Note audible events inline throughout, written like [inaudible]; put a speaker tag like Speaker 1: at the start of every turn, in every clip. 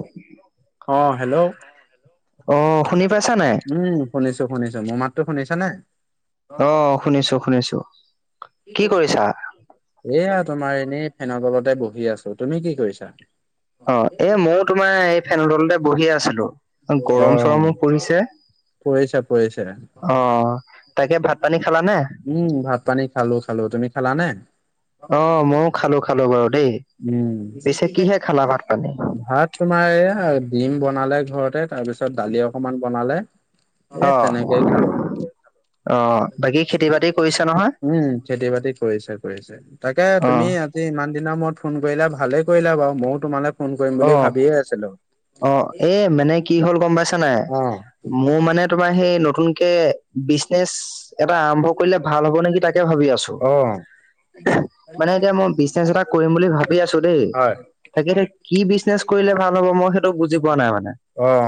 Speaker 1: উ [unintelligible]
Speaker 2: অঁ হেল্ল'
Speaker 1: শুনি পাইছা
Speaker 2: [unintelligible]
Speaker 1: নাই
Speaker 2: উম! শুনিছোঁ-শুনিছোঁ। মোৰ মাতটো শুনিছা নে? [unintelligible]
Speaker 1: অ! শুনিছোঁ-শুনিছোঁ। [inaudible]
Speaker 2: এয়া তোমাৰ এনেই ফেনৰ তলতে বহি আছোঁ। তুমি কি কৰিছা? [unintelligible]
Speaker 1: অ! এ মইও তোমাৰ এই ফেনৰ তলতে বহি আছিলোঁ। [unintelligible] গৰম-চৰমো পৰিছে।
Speaker 2: পৰিছে পৰিছে
Speaker 1: [unintelligible] অ! তাকে ভাত, পানী খালানে?
Speaker 2: উম
Speaker 1: [unintelligible]
Speaker 2: ভাত, পানী খালোঁ-খালোঁ। তুমি খালা নে?
Speaker 1: অ
Speaker 2: [unintelligible] [unintelligible]
Speaker 1: ময়ো খালো খালো বাৰু দেই
Speaker 2: উম
Speaker 1: পিছে কিহে খালা ভাত পানী
Speaker 2: [inaudible] ভাত তোমাৰ এইয়া ডিম বনালে ঘৰতে, তাৰ পিছত দালি অকমান বনালে। [unintelligible]
Speaker 1: অ
Speaker 2: তেনেকেই খালো।
Speaker 1: [unintelligible] অ বাকী খেতি-বাতি কৰিছা নহয়? [unintelligible]
Speaker 2: উম! খেতি-বাতি কৰিছে-কৰিছে। তাকে
Speaker 1: অ
Speaker 2: তুমি [unintelligible] আজি ইমান দিনৰ মূৰত ফোন কৰিলা, ভালেই কৰিলা বাৰু মইয়ো তোমালে [unintelligible]
Speaker 1: অ
Speaker 2: ভাবিয়ে আছিলো।
Speaker 1: [inaudible] অ! এই মানে কি হ'ল গম পাইছা নাই?
Speaker 2: অ
Speaker 1: [unintelligible] মোৰ মানে তোমাৰ সেই নতুনকে বিজনেচ [unintelligible] এটা আৰম্ভ কৰিলে ভাল হব নেকি তাকে ভাবি আছোঁ। [inaudible]
Speaker 2: অ
Speaker 1: [unintelligible] মানে এতিয়া মই বিজনেচ এটা কৰিম বুলি ভাবি আছোঁ দেই।
Speaker 2: হয়
Speaker 1: তাকেহে কি বিজনেচ কৰিলে ভাল হব মই সেইটো বুজি পোৱা নাই মানে।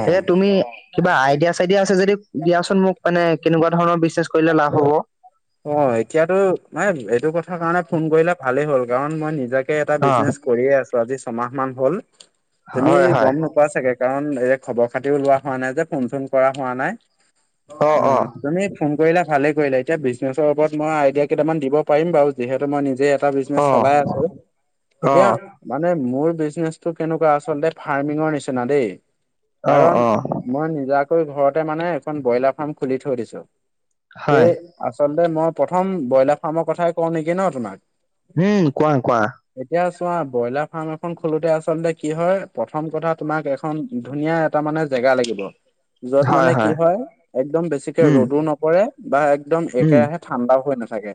Speaker 1: সেইয়ে
Speaker 2: অ
Speaker 1: তুমি [unintelligible] কিবা আইডিয়া-চাইডিয়া আছে যদি দিয়া চোন মোক, মানে কেনেকুৱা ধৰণৰ বিজনেছ কৰিলে লাভ হব। [unintelligible]
Speaker 2: অ! এতিয়াতো [unintelligible] এইটো কথাৰ কাৰণে ফোন কৰিলা ভালেই হ'ল কাৰণ মই নিজাকে [unintelligible] নিজাকে এটা
Speaker 1: অ
Speaker 2: বিজনেছ কৰিয়েই আছোঁ। আজি ছমাহ মান হ'ল। তুমি
Speaker 1: হয় হয়
Speaker 2: গম নোপোৱা চাগে? [unintelligible] কাৰণ এতিয়া খবৰ-খাতিও লোৱা হোৱা নাই যে, ফোন-চোন কৰা হোৱা নাই।
Speaker 1: অ অ
Speaker 2: [unintelligible] তুমি ফোন কৰিলা, ভালেই কৰিলা এতিয়া বিজনেছৰ ওপৰত আইডিয়া কেইটামান দিব পাৰিম বাৰু, যিহেতু মই নিজে [unintelligible] এটা বিজনেছ চলাই আছোঁ।
Speaker 1: অ অ
Speaker 2: এতিয়া [inaudible] মানে মোৰ বিজনেচটো কেনেকুৱা আচলতে ফাৰ্মিঙৰ নিচিনা দেই।
Speaker 1: অ
Speaker 2: কাৰণ
Speaker 1: অ
Speaker 2: [unintelligible] মই নিজাকৈ ঘৰতে মানে এখন ব্ৰইলাৰ ফাৰ্ম খুলি থৈ দিছোঁ। সেই
Speaker 1: হয়
Speaker 2: [inaudible] আচলতে মই প্ৰথম ব্ৰইলাৰ ফাৰ্মৰ কথাই কওঁ নেকি ন তোমাক? [inaudible]
Speaker 1: উম! কোৱা-কোৱা। [unintelligible]
Speaker 2: এতিয়া চোৱা ব্ৰইলাৰ ফাৰ্ম এখন খোলোতে আচলতে কি হয় প্ৰথম কথা তোমাক [unintelligible] এখন ধুনীয়া এটা মানে জেগা লাগিব। [inaudible] যত মানে কি হয় একদম বেছিকে
Speaker 1: উম
Speaker 2: ৰ'দো নপৰে বা একদম
Speaker 1: উম
Speaker 2: একেৰাহে [inaudible] ঠাণ্ডাও হৈ নাথাকে।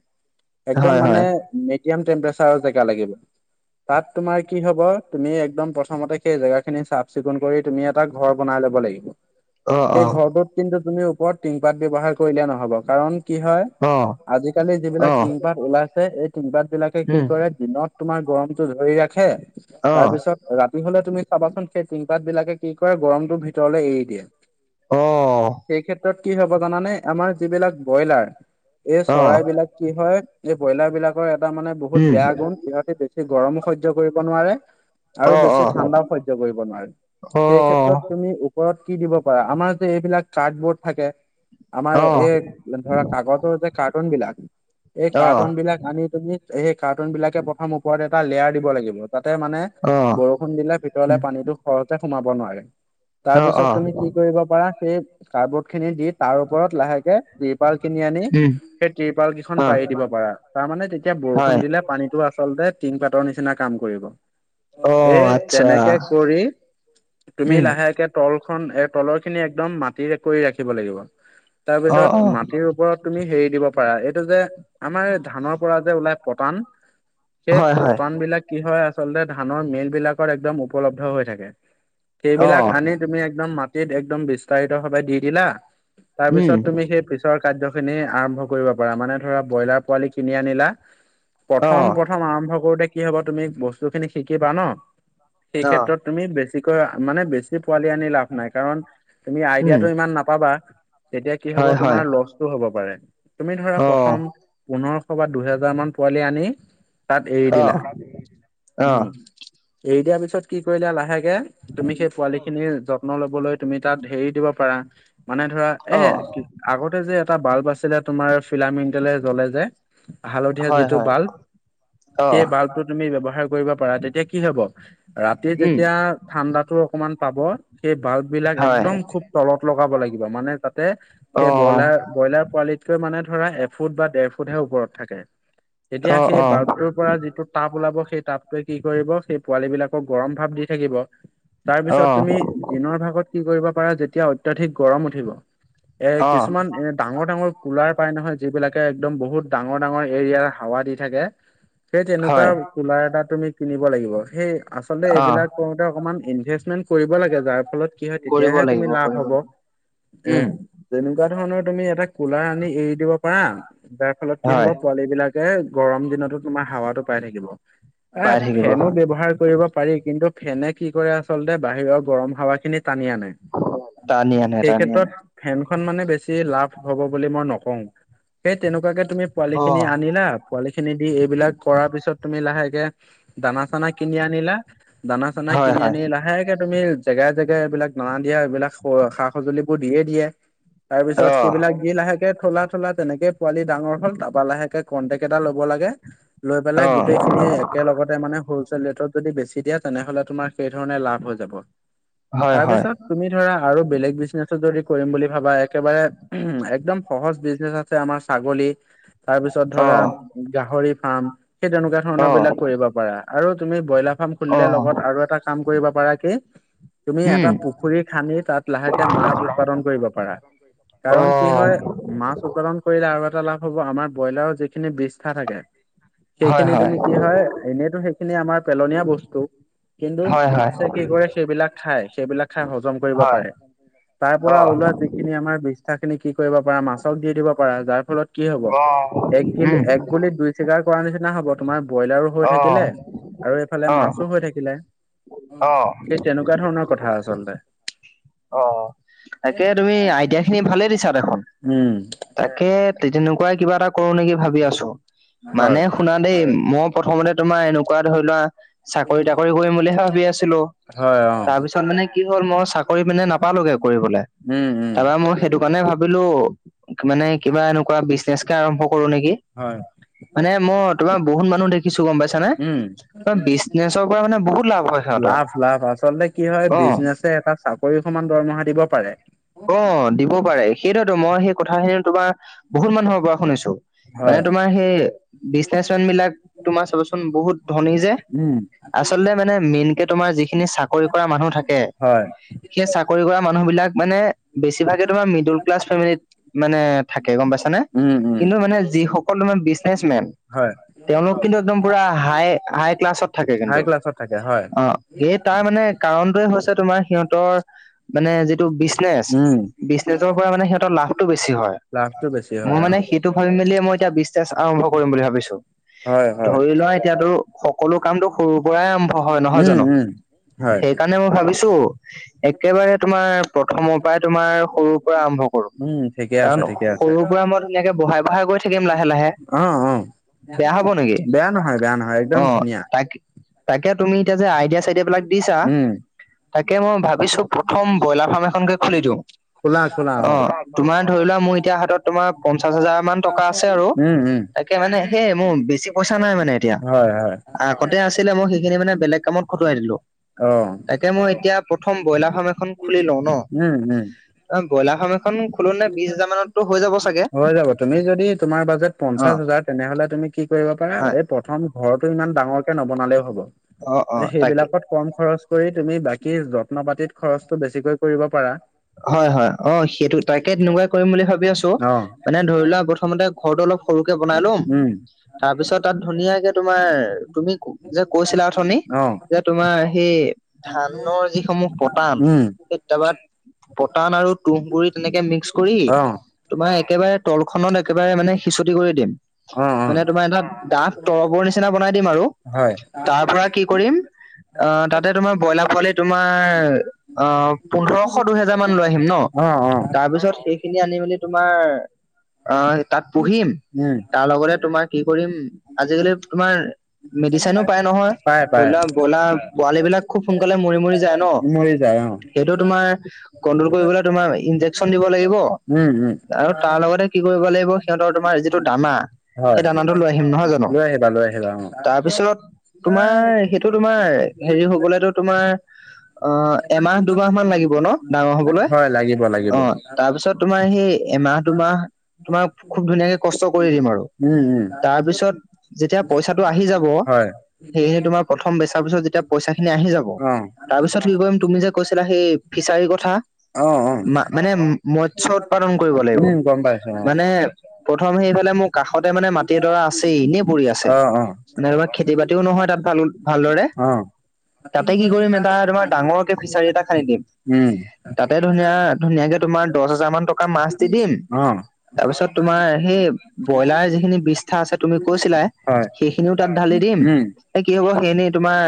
Speaker 1: হয়
Speaker 2: একদম
Speaker 1: হয়
Speaker 2: মানে মিডিয়াম টেম্পাৰেচাৰৰ জেগা লাগিব। [unintelligible] তাত তোমাৰ কি হব তুমি একদম প্ৰথমতে সেই জেগাখিনি চাফ-চিকুণ কৰি [unintelligible] তুমি এটা ঘৰ বনাই ল'ব লাগিব। [inaudible]
Speaker 1: অ অ
Speaker 2: সেই ঘৰটোত কিন্তু তুমি ওপৰত টিংপাত ব্যৱহাৰ কৰিলে নহ'ব। কাৰণ [unintelligible] কি হয়
Speaker 1: অ
Speaker 2: আজিকালি
Speaker 1: অ
Speaker 2: যিবিলাক টিংপাত ওলাইছে এই টিংপাত বিলাকে কি
Speaker 1: উম
Speaker 2: কৰে দিনত তোমাৰ গৰমতটো ধৰি ৰাখে
Speaker 1: অ
Speaker 2: তাৰপিছত ৰাতি হলে তুমি চাবাচোন সেই টিংপাত বিলাকে কি কৰে গৰমটো ভিতৰলে এৰি দিয়ে
Speaker 1: অহ
Speaker 2: সেই ক্ষেত্ৰত কি হব জানানে আমাৰ যিবিলাক ব্ৰইলাৰ এই
Speaker 1: অ
Speaker 2: চৰাই বিলাক কি হয় এই ব্ৰইলাৰ বিলাকৰ এটা মানে বহুত
Speaker 1: উম
Speaker 2: বেয়া গুণ ইহঁতে সি গৰমো সহ্যয় কৰিব নোৱাৰে আৰু
Speaker 1: অ অ
Speaker 2: বেছি ঠাণ্ডাও সহ্য কৰিব নোৱাৰে
Speaker 1: অ অ
Speaker 2: সেই ক্ষেত্ৰত তুমি ওপৰত কি দিব পাৰা আমাৰ যে এইবিলাক কাৰ্ডবৰ্ড থাকে আমাৰ
Speaker 1: অ অ
Speaker 2: এই ধৰা কাগজৰ যে কাৰ্টুন বিলাক এই কাৰ্টুন বিলাক আনি তুমি সেই কাৰ্টুন বিলাকে প্ৰথম ওপৰত এটা লেয়াৰ দিব লাগিব যাতে মানে বৰষুণ দিলে ভিতৰলে পানীতো খৰকে সোমাব নোৱাৰে তাৰ
Speaker 1: অ
Speaker 2: পিছত
Speaker 1: অ অ
Speaker 2: তুমি কি কৰিব পাৰা সেই কাৰ্ডব'ৰ্ড খিনি দি তাৰ ওপৰত লাহেকে টিপাৰ কিনি আনি
Speaker 1: উম।
Speaker 2: সেই টিৰপাল কেইখন
Speaker 1: অ
Speaker 2: পাৰি দিব পাৰা তাৰ মানে তেতিয়া
Speaker 1: হয়
Speaker 2: বৰষুণ দিলে পানীতো আচলতে টিং পাতৰ নিচিনা কাম কৰিব
Speaker 1: অ
Speaker 2: এই
Speaker 1: আচ্ছা।
Speaker 2: তেনেকে কৰি তুমি
Speaker 1: উম।
Speaker 2: লাহেকে তল খন এ তলৰ খিনি একদম মাটিৰে কৰি ৰাখিব লাগিব
Speaker 1: অ
Speaker 2: তাৰপিছত
Speaker 1: অ
Speaker 2: মাটিৰ ওপৰত তুমি হেৰি দিব পাৰা এইটো যে আমাৰ ধানৰ পৰা যে ওলাই প্ৰতান সেই
Speaker 1: হয় হয়
Speaker 2: প্ৰতান বিলাক কি হয় আচলতে ধানৰ মেল বিলাকত একদম উপলব্ধ হৈ থাকে
Speaker 1: অ
Speaker 2: সেইবিলাক আনি তুমি একদম মাটিত একদম বিস্তাৰিত ভাৱে দি দিলা তাৰ
Speaker 1: উম।
Speaker 2: পিছত তুমি সেই পিছৰ কাৰ্য খিনি আৰম্ভ কৰিব পাৰা মানে ধৰা ব্ৰইলাৰ পোৱালি কিনি আনিলা
Speaker 1: অ
Speaker 2: প্ৰথম প্ৰথম আৰম্ভ কৰোঁতে কি হব তুমি বস্তুখিনি শিকিবা ন সেই
Speaker 1: অ
Speaker 2: ক্ষেত্ৰত তুমি বেছিকৈ মানে বেছি পোৱালি আনি লাভ নাই কাৰণ তুমি
Speaker 1: উম।
Speaker 2: আইডিয়টো ইমান নাপাবা তেতিয়া কি হ'ব
Speaker 1: হয় হয়
Speaker 2: কষ্ট হব পাৰে তুমি ধৰা
Speaker 1: অ
Speaker 2: প্ৰথম পোন্ধৰশ বা দুহেজাৰ মান পোৱালি আনি তাত এৰি
Speaker 1: অ
Speaker 2: দিলা
Speaker 1: অ
Speaker 2: উম এৰি দিয়াৰ পিছত কি কৰিলো লাহেকে তুমি সেই পোৱালি খিনি য যত্ন ল'বলৈ তুমি তাত হেৰি দিব পাৰা মানে ধৰা
Speaker 1: অ
Speaker 2: এ আগতে যে এটা বাল্ব আছিলে তোমাৰ পিলামেন্টেলে জ্বলে যে হালধীয়া
Speaker 1: হয়
Speaker 2: যিটো
Speaker 1: হয়
Speaker 2: বাল্ব
Speaker 1: অ
Speaker 2: সেই বাল্বটো তুমি ব্যৱহাৰ কৰিব পাৰা তেতিয়া কি হব ৰাতি
Speaker 1: উম।
Speaker 2: যেতিয়া ঠাণ্ডাতো অকমান পাব সেই বাল্ব বিলাক
Speaker 1: হয়
Speaker 2: একদম খুব তলত লগাব লাগিব মানে তাতে
Speaker 1: অ
Speaker 2: সেই ব্ৰইলাৰ ব্ৰইলাৰ পোৱালিতকৈ মানে ধৰা এফুট বা ডেৰ ফুটহে ওপৰত থাকে তেতিয়া
Speaker 1: অ
Speaker 2: সেই
Speaker 1: অ
Speaker 2: বাল্ব তোৰ পৰা যিটো তাপ ওলাব সেই তাপটোৱে কি কৰিব সেই পোৱালী বিলাকক গৰম ভাপ দি থাকিব তাৰ
Speaker 1: অ
Speaker 2: পিছত তুমি দিনৰ ভাগত কি কৰিব পাৰা যেতিয়া অত্যাধিক গৰম উঠিব এ
Speaker 1: অ
Speaker 2: কিছুমান এ ডাঙৰ ডাঙৰ কোলাৰ পায় নহয় বিলাকে একদম বহুত ডাঙৰ ডাঙৰ এৰিয়াৰ হাৱা দি থাকে সেই তেনেকুৱা
Speaker 1: হয়
Speaker 2: কোলাৰ এটা তুমি কিনিব লাগিব সেই আচলতে
Speaker 1: অ
Speaker 2: এইবিলাক কৰোঁতে অকণমান ইনভেষ্টমেণ্ট কৰিব লাগে যাৰ ফলত কি হয়
Speaker 1: কৰিব
Speaker 2: তেতিয়াহে
Speaker 1: লাগিব
Speaker 2: তুমি লাভ
Speaker 1: কৰিব
Speaker 2: হ'ব
Speaker 1: লাগিব।
Speaker 2: এ
Speaker 1: উম।
Speaker 2: যেনেকুৱা ধৰণৰ তুমি এটা কোলাৰ আনি এৰি দিব পাৰা যাৰ ফলত কি হব
Speaker 1: হয়
Speaker 2: পোৱালী বিলাক তেতিয়াহে গৰম দিনতো তোমাৰ হাৱাটো পাই থাকিব এ
Speaker 1: পাই থাকিব
Speaker 2: ফেনো
Speaker 1: হয়
Speaker 2: ব্যৱহাৰ কৰিব পাৰি কিন্তু ফেনে কি কৰে আচলতে বাহিৰৰ গৰম হাৱা খিনি টানি আনে
Speaker 1: টানি আনে
Speaker 2: সেই
Speaker 1: টানি আনে
Speaker 2: ক্ষেত্ৰত- ফেনখন মানে বেছি লাভ হব বুলি মই নকওঁ। সেই তেনেকুৱাকে তুমি পোৱালি
Speaker 1: অ।
Speaker 2: খিনি আনিলা পোৱালি খিনি দি
Speaker 1: উম।
Speaker 2: এইবিলাক কৰাৰ পিছত তুমি লাহেকে- দানা চানা কিনি আনিলা দানা চানা
Speaker 1: হয়
Speaker 2: কিনি
Speaker 1: হয়
Speaker 2: আনি লাহেকে তুমি জেগাই জেগাই এইবিলাক দানা দিয়া এইবিলাক সা সঁজুলিবোৰ দিয়ে দিয়ে। তাৰপিছত
Speaker 1: অ
Speaker 2: সেইবিলাক দি লাহেকে থলা থলা তেনেকে পোৱালি ডাঙৰ হল তাপা লাহেকে- কন্টেক্ট এটা লব লাগে লৈ পেলাই গোটেই
Speaker 1: অ।
Speaker 2: খিনিয়ে একেলগতে মানে- হলচেল ৰেটত যদি বেছি দিয়ে তেনেহলে তোমাৰ সেই ধৰণে লাভ হৈ যাব
Speaker 1: হয়
Speaker 2: তাৰ
Speaker 1: হয়
Speaker 2: পিছত- তুমি ধৰা আৰু বেলেগ বিজনেছো যদি কৰিম বুলি- ভাবা একেবাৰে উমহ এক্দম সহজ বিজনেচ আছে আমাৰ ছাগলী তাৰপিছত
Speaker 1: অ
Speaker 2: ধৰা- গাহৰি ফাৰ্ম সেই তেনেকুৱা
Speaker 1: অ
Speaker 2: ধৰণৰ বিলাক কৰিব পাৰা আৰু তুমি ব্ৰইলা- ফাৰ্ম
Speaker 1: অ
Speaker 2: খুলিলে লগত আৰু এটা কাম কৰিব পাৰা কি- তুমি এটা
Speaker 1: উম
Speaker 2: পুখুৰী খান্দি তাত লাহেকে মাছ উৎপাদন কৰিব পাৰা
Speaker 1: অ
Speaker 2: কাৰণ কি হয়- মাছ উৎপাদন কৰিলে আৰু এটা লাভ হ'ব আমাৰ ব্ৰইলাৰৰ যিখিনি বিষ্ঠা থাকে-
Speaker 1: হয়
Speaker 2: সেইখিনি
Speaker 1: হয়
Speaker 2: তুমি কি হয় এনেইতো সেইখিনি আমাৰ পেলনীয়া বস্তু, কিন্তু
Speaker 1: হয় হয়
Speaker 2: মাছে কি কৰে সেইবিলাক খাই সেইবিলাক খাই হজম কৰিব
Speaker 1: হয়
Speaker 2: পাৰে। তাৰ
Speaker 1: অ
Speaker 2: পৰা ওলোৱা যিখিনি আমাৰ বিষ্ঠা খিনি কি কৰিব পাৰা মাছক দি দিব পাৰা যাৰ ফলত কি হ- ব
Speaker 1: অ
Speaker 2: এক গিলি
Speaker 1: উম
Speaker 2: এক গুলিত দুই চিগাৰ কৰা নিচিনা হ'ব। তোমাৰ ব্ৰইলাৰো হৈ
Speaker 1: অ
Speaker 2: থাকিলে আৰু এইফালে
Speaker 1: অ
Speaker 2: মাছো হৈ থাকিলে।
Speaker 1: অ
Speaker 2: সেই তেনেকুৱা ধৰণৰ কথা আচলতে।
Speaker 1: অ অ তাকে তুমি আইডিয়া খিনি ভালেই দিছা দেখোন।
Speaker 2: উম
Speaker 1: তাকে তেনেকুৱাই কিবা এটা কৰো নেকি ভাবি আছো মানে
Speaker 2: হয়
Speaker 1: শুনা দেই মই- প্ৰথমতে তোমাৰ এনেকুৱা ধৰি লোৱা- চাকৰি তাকৰি কৰিম বুলিহে ভাবি আছিলো
Speaker 2: হয় অ
Speaker 1: তাৰ পিছত মানে কি হ'ল মই চাক- কৰি পিনে নাপালোগে কৰিবলে
Speaker 2: উম উম
Speaker 1: তাৰা মই সেইটো- মানে ভাবিলো মানে কিবা এনেকুৱা বিজনেছ কে আৰম্ভ কৰো নেকি।
Speaker 2: হয়
Speaker 1: মানে মই তোমাৰ বহুত মানুহ দেখ কিছু গম পাইছা নে
Speaker 2: উম
Speaker 1: ত বিজনেছৰ পৰা মানে বহুত লাভ হয় সিহঁতৰ।
Speaker 2: লাভ লাভ আচলতে কি হয়
Speaker 1: অ
Speaker 2: বিজনেছে এটা চাকৰি সমান দৰমহা দিব পাৰে।
Speaker 1: অ দিব পাৰে সেইটোৱেতো মই সেই কথাখিনি তোমাৰ বহুত মানুহৰ পৰা শুনিছো। মানে
Speaker 2: হয়
Speaker 1: তোমাৰ সেই বিজনেচ মেন বিলাক তোমাৰ চাবচোন বহুত ধনী যে,
Speaker 2: উম
Speaker 1: আচলতে মানে মেইন কে তোমাৰ যিখিনি চাকৰি কৰা মানুহ থাকে
Speaker 2: হয়
Speaker 1: সেই চাকৰি কৰা মানুহবিলাক মানে বেছিভাগে তোমাৰ মিডোল ক্লাছ ফেমিলিত মানে থাকে গম পাইছানে
Speaker 2: উম উম
Speaker 1: কিন্তু মানে যিসক কল মানে বিজনেচ মেন
Speaker 2: হয়
Speaker 1: তেওঁলোক কিন্তু একদম পুৰা হাই হাই ক্লাছত থাকে
Speaker 2: হাই
Speaker 1: কিন্তু
Speaker 2: ক্লাছত থাকে হয়
Speaker 1: অঁ। এই তাৰ মানে কাৰণটোয়ে হৈছে তোমাৰ সিহঁতৰ মানে যিটো বিজনেচ
Speaker 2: উম
Speaker 1: বিজনেচৰ পৰা মানে সিহঁতৰ লাভটো বেছি হয়
Speaker 2: লাভটো বেছি হয়
Speaker 1: মোৰ
Speaker 2: অ।
Speaker 1: মানে সিত টো ভাবি মেলিয়ে মই এতিয়া বিশ্বাস আৰম্ভ কৰিম বুলি ভাবিছো।
Speaker 2: হয় হয়।
Speaker 1: ধৰি লোৱা এতিয়াতো সকলো কামটো সৰুৰ পৰাই আৰম্ভ হয় নহয়
Speaker 2: উম
Speaker 1: জানো?
Speaker 2: উম হয়।
Speaker 1: মানে মই ভাবিছো একেবাৰে তোমাৰ প্ৰথমৰ পৰাই তোমাৰ সৰুৰ পৰা আৰম্ভ
Speaker 2: উম ঠিকে আছে
Speaker 1: কাৰণ
Speaker 2: ঠিকে আছে।
Speaker 1: সৰুৰ পৰা মই ধুনীয়াকে বঢ়াই বঢ়াই গৈ থাকিম লাহে লাহে।
Speaker 2: অ অ
Speaker 1: বেয়া হব নেকি
Speaker 2: বেয়া নহয় বেয়া নহয় একদম
Speaker 1: অ
Speaker 2: ধুনীয়া।
Speaker 1: তাকে তাকে তুমি এতিয়া যে আইডিয়া চাইডিয়া বিলাক দিছা
Speaker 2: উম
Speaker 1: তাকে মই ভাব ভাবিছো, প্ৰথম ব্ৰইলাৰ ফাৰ্ম এখনকে খুলি দিওঁ।
Speaker 2: খোলা খোলা
Speaker 1: অ, তোমাৰ ধৰি লোৱা মোৰ এতিয়া হাতত তোমাৰ পঞ্চাশ হাজাৰ মান টকা আছে আৰু।
Speaker 2: উম উম
Speaker 1: তাকে, মানে সেই মোৰ বেছি পইচা নাই মানে এতিয়া।
Speaker 2: হয় হয়
Speaker 1: আগতে আছিলে মই সেইখিনি মানে বেলেগ কামত খটুৱাই দিলো।
Speaker 2: অ
Speaker 1: তাকে মই এতিয়া প্ৰথম ব্ৰইলাৰ ফাৰ্ম এখন খুলি লওঁ ন?
Speaker 2: উম উম।
Speaker 1: অ ব্ৰইলাৰ ফাৰ্ম এখন খোলো নে? বিশ হাজাৰ মান হৈ যাব -
Speaker 2: হৈ যাব। তুমি যদি তোমাৰ বাজেট
Speaker 1: অ
Speaker 2: পঞ্চাশ হাজাৰ তেনেহলে, তুমি কি কৰিব পাৰা
Speaker 1: হয়
Speaker 2: এই পথ প্ৰথম ঘৰৰতটো ইমান ডাঙৰকে নবনালেও হব।
Speaker 1: অ অ তাকে
Speaker 2: সেইবিলাক কম খৰচ কৰি, তুমি বাকী যত্ন পাতিত খৰচটো বেছিকৈ কৰিব পাৰা
Speaker 1: হয় হয়। অ সেইটো তাকে তেনেকুৱাই কৰিম বুলি ভাবি আছো,
Speaker 2: অ
Speaker 1: মানে ধৰি লোৱা প্ৰথমতে ঘৰটো অলপ সৰুকে বনাই লম,
Speaker 2: উম
Speaker 1: তাৰপিছত তাত ধুনীয়াকে তোমাৰ তুমি যে কৈছিলা অথনি,
Speaker 2: অ
Speaker 1: যে তোমাৰ সেই ধানৰ যি সমূহ পতান,
Speaker 2: উম
Speaker 1: কেতিয়াবা পটান আৰু তুঁহগুৰি তেনেকে মিক্স কৰি,
Speaker 2: অ।
Speaker 1: তোমাৰ একেবাৰে তলখনত একেবাৰে মানে হিচটি কৰি দিম।
Speaker 2: উম উম।
Speaker 1: মানে তোমাৰ এটা দাঠ তৰপৰ নিচিনা বনাই দিম আৰু,
Speaker 2: হয়
Speaker 1: তাৰ পৰা কি কৰিম অ তাতে তোমাৰ ব্ৰইলাৰ পোৱালি তোমাৰ অ পোন্ধৰ শ, দুইহেজাৰ মান লৈ আহিম ন?
Speaker 2: অ অ।
Speaker 1: তাৰপিছত সেইখিনি আনি মেলি তোমাৰ আ, তাত পুহিম
Speaker 2: উম
Speaker 1: তাৰ লগতে তোমাৰ কি কৰিম, আজিকালি তোমাৰ মেডিচিনো পাই নহয়
Speaker 2: পায়
Speaker 1: ধৰি
Speaker 2: পায়।
Speaker 1: লোৱা, বইলা পোৱালী বিলাক খুব সোনকালে মৰি মৰি যায় ন?
Speaker 2: মৰি যায় অ
Speaker 1: সেইটো তোমাৰ কণ্ট্ৰল কৰিব তোমাৰ ইনজেকচন দিব লাগিব,
Speaker 2: উম উম
Speaker 1: আৰু তাৰ লগতে কি কৰিব লাগিব, সিহঁতৰ তোমাৰ যিটো দানা
Speaker 2: হয়।
Speaker 1: সেই দানাটো লৈ আহিম নহয় জানো?
Speaker 2: লৈ আহিবা লৈ আহিবা অ
Speaker 1: তাৰপিছত - তোমাৰ সেইটো তোমাৰ হেৰি হৈ গলেতো তোমাৰ অ এমাহ দুমাহ মান লাগিব ন ডাঙৰ হবলৈ?
Speaker 2: হয় লাগিব লাগিব
Speaker 1: অ তাৰপিছত তোমাৰ সেই, এমাহ দুমাহ তোমাক খুব ধুনীয়াকে কষ্ট কৰি দিম আৰু।
Speaker 2: উম উম।
Speaker 1: তাৰপিছত যেতিয়া পইচাটো আহি যাব,
Speaker 2: হয়
Speaker 1: সেইয়েহে তোমাৰ প্ৰথম বেচাৰ পিছত যেতিয়া পইচা খিনি আহি যাব,
Speaker 2: অ
Speaker 1: তাৰ পিছত কি কৰিম তুমি যে কৈছিলা সেই ফিচাৰী কথা?
Speaker 2: অ অ।
Speaker 1: মানে ম মৎস্য উৎপাদন কৰিব লাগিব,
Speaker 2: উম গম পাইছো অ।
Speaker 1: মানে প্ৰথম সেইফালে মোৰ কাষতে মানে মাটিডৰা আছেই, এনেই পৰি আছে।
Speaker 2: অ অ
Speaker 1: নাইবা খেতি বাতিও নহয় তাত ভাল ভালদৰে,
Speaker 2: অ
Speaker 1: তাতে কি কৰিম এটা তোমাৰ ডাঙৰকে ফিচাৰী এটা খান্দি দিম,
Speaker 2: উম।
Speaker 1: তাতে ধুনীয়া ধুনীয়াকে তোমাৰ দহ হাজাৰ মান টকাৰ মাছ দি দিম,
Speaker 2: অ
Speaker 1: তাৰপিছত তোমাৰ সেই ব্ৰইলাৰ যিখিনি বিষ্ঠা আছে তুমি কৈছিলাই,
Speaker 2: হয়
Speaker 1: সেইখিনিও তাত ঢালি দিম,
Speaker 2: উম
Speaker 1: এ কি হব, সেইখিনি তোমাৰ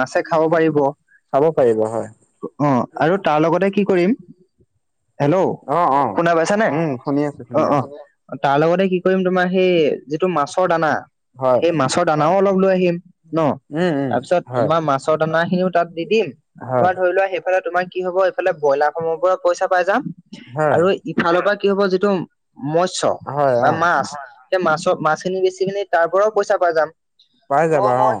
Speaker 1: মাছে খাব পাৰিব।
Speaker 2: খাব পাৰিব হয়।
Speaker 1: অ, আৰু তাৰ লগতে কি কৰিম হেল্ল'
Speaker 2: অ অ।
Speaker 1: শুনা পাইছানে?
Speaker 2: উম শুনি আছো
Speaker 1: অ
Speaker 2: শুনি
Speaker 1: অ।
Speaker 2: আছো
Speaker 1: তাৰ লগতে কি কৰিম তোমাৰ সেই যিটো মাছৰ দানা,
Speaker 2: হয়
Speaker 1: সেই মাছৰ দানাও অলপ লৈ আহিম। ন
Speaker 2: উম উম
Speaker 1: তাৰপিছত
Speaker 2: হয়
Speaker 1: তোমাৰ মাছৰ দানাখিনিও তাত দি দিম,
Speaker 2: হয়
Speaker 1: তোমাৰ ধৰি লোৱা সেইফালে তোমাক [unintelligible] কি হব এইফালে ব্ৰইলাৰ ফ্ৰামৰ পৰা পইচা পাই যাম
Speaker 2: হয়।
Speaker 1: আৰু ইফালৰ পৰা কি হ'ব যিটো [unintelligible] মৎস্য
Speaker 2: হয়
Speaker 1: বা
Speaker 2: অ
Speaker 1: মাছ সেই মাছ-মাছখিনি বেচি পিনি তাৰ পৰাও পইচা পাই যাম। [unintelligible]
Speaker 2: পাই
Speaker 1: অঁ
Speaker 2: যাবা অ
Speaker 1: মই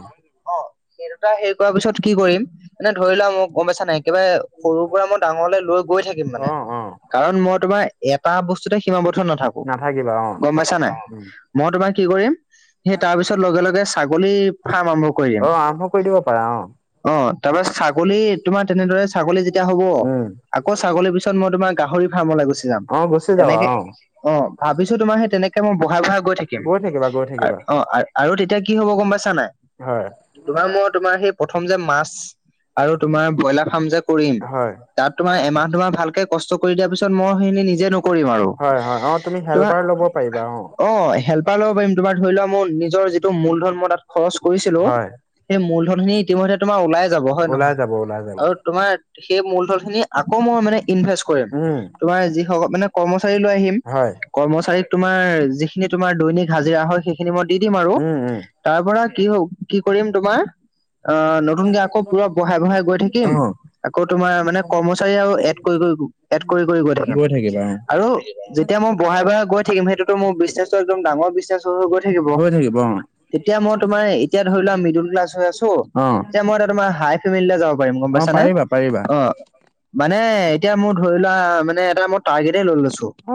Speaker 1: অঁ সেই দুটা হেৰি কৰা পিছত কি কৰিম [unintelligible] মানে ধৰি লোৱা মোৰ গম পাইছা নাই একেবাৰে সৰুৰ পৰা মই ডাঙৰলে লৈ গৈ থাকিম
Speaker 2: অ
Speaker 1: মানে। [unintelligible]
Speaker 2: অ
Speaker 1: কাৰণ মই তোমাৰ এটা বস্তুতে সীমাবদ্ধ নাথাকো,
Speaker 2: নাথাকিবা অ
Speaker 1: গম পাইছা নাই?
Speaker 2: উম
Speaker 1: [inaudible] মই তোমাক কি কৰিম [inaudible] সেই তাৰ পিছত লগে-লগে ছাগলীৰ ফাৰ্ম আৰম্ভ কৰি দিম।
Speaker 2: অ
Speaker 1: [unintelligible]
Speaker 2: আৰম্ভ কৰি দিব পাৰা অ
Speaker 1: অঁ তাৰপা ছাগলী তোমাৰ তেনেদৰে ছাগলী যেতিয়া হব
Speaker 2: উম
Speaker 1: আকৌ ছাগলী [unintelligible] বেচা পিছত মই তোমাৰ গাহৰি ফাৰ্মলৈ গুচি যাম।
Speaker 2: অ গুচি যাবা
Speaker 1: তেনেকে
Speaker 2: অ
Speaker 1: অঁ ভাবিছোঁ তোমাৰ সেই তেনেকে মই বঢ়াই-বঢ়াই [unintelligible] গৈ থাকিম।
Speaker 2: থাকিবা গৈ থাকিবা
Speaker 1: অঁ আৰু তেতিয়া কি হ'ব গম পাইছা নাই? [unintelligible]
Speaker 2: হয়। [inaudible]
Speaker 1: তোমাৰ মই তোমাৰ সেই প্ৰথম যে মাছ আৰু তোমাৰ ব্ৰইলাৰ ফাৰ্ম যে কৰিম
Speaker 2: হয়
Speaker 1: [unintelligible] তাত তোমাৰ এমাহ তোমাৰ ভালকে কষ্ট কৰি দিয়াৰ পিছত মই সেইখিনি নিজে নকৰিম আৰু। [unintelligible]
Speaker 2: অঁ তুমি হেল্পাৰ ল'ব পাৰিবা অঁ। [unintelligible]
Speaker 1: চাই ল'ব পাৰিম তোমাৰ ধৰি লোৱা মোৰ নিজৰ যিটো মূলধন মই তাত খৰচ কৰিছিলো
Speaker 2: হয়
Speaker 1: সেই মূলধনখিনি [unintelligible] ইতিমধ্যে তোমাৰ ওলাই যাব হয়
Speaker 2: ওলাই
Speaker 1: নহয়
Speaker 2: যাব ওলাই যাব
Speaker 1: আৰু তোমাৰ সেই মূলধনখিনি [unintelligible] আকৌ মই মানে ইনভেষ্ট কৰিম
Speaker 2: উম
Speaker 1: তোমাৰ যি [unintelligible] মানে কৰ্মচাৰী লৈ আহিম।
Speaker 2: হয় [inaudible]
Speaker 1: কৰ্মচাৰীক তোমাৰ যিখিনি তোমাৰ দৈনিক হাজিৰা হয় সেইখিনি মই দি দিম আৰু।
Speaker 2: উম উম
Speaker 1: [unintelligible] তাৰ পৰা কি [unintelligible] হ কি কৰিম তোমাৰ অ নতুনকে আকৌ পুৰা বঢ়াই-বঢ়াই গৈ
Speaker 2: অ
Speaker 1: থাকিম। আকৌ তোমাৰ মানে কৰ্মচাৰী আৰু এড কৰি-কৰি-কৰি গৈ থাকিম আৰু। [unintelligible] যেতিয়া মই বঢ়াই-বঢ়াই গৈ থাকিম সেইটোতো মোৰ বিজনেচৰ একদম ডাঙৰ বিজনেচ হৈ গৈ থাকিব। [unintelligible] তেতিয়া মই তোমাৰ এতিয়া ধৰি লোৱা মিডোল ক্লাছ হৈ আছোঁ
Speaker 2: অ
Speaker 1: এতিয়া মই তোমাৰ হাই [unintelligible] [unintelligible] যাব পাৰিম গম
Speaker 2: অ
Speaker 1: পাইছানে?
Speaker 2: পাৰিবা পাৰিবা [inaudible]
Speaker 1: অ মানে এতিয়া মোৰ ধৰি লোৱা মানে এটা মই টাৰ্গেটতে লৈ লৈছোঁ।
Speaker 2: অ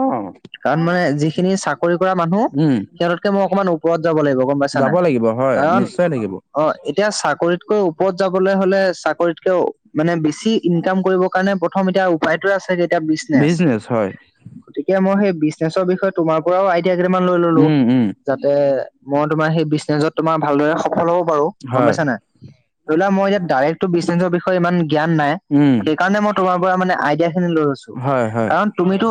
Speaker 1: [unintelligible] কাৰণ মানে যিখিনি চাকৰি কৰা মানুহ
Speaker 2: উম
Speaker 1: সিহঁতকে মই অকমান ওপৰত যাব লাগিব। [inaudible]
Speaker 2: যাব লাগিব হয়,
Speaker 1: কাৰণ
Speaker 2: নিশ্চয় থাকিব। [unintelligible]
Speaker 1: অ এতিয়া চাকৰিতকৈ ওপৰত যাবলৈ হ'লে চাকৰিতকেও [inaudible] মানে বেছি ইনকাম কৰিবৰ কাৰণে প্ৰথম এতিয়া উপায়টোৱ‌ই আছে যে এতিয়া বিজনেছ।
Speaker 2: বিজনেচ হয়
Speaker 1: [inaudible] গতিকে মই সেই বিজনেচৰ বিষয়ে তোমাৰ পৰাও আইডিয়া কেইটামান লৈ ললোঁ।
Speaker 2: উম উম
Speaker 1: [unintelligible] যাতে মই তোমাৰ সেই বিজনেচত [inaudible] তোমাৰ ভালদৰে সফল হ'ব পাৰোঁ গম
Speaker 2: হয়
Speaker 1: পাইছা নাই? ধৰি লোৱা মই এতিয়া ডাইৰেক্টটো বিজনেছৰ বিষ [unintelligible] [unintelligible] বিষয়ে ইমান জ্ঞান নাই।
Speaker 2: উম
Speaker 1: সেইকাৰণে মই তোমাৰ পৰা মানে আইডিয়াখিনি লৈ লৈছোঁ,
Speaker 2: হয় হয়
Speaker 1: কাৰণ তুমিটো